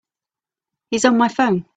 He's on my phone.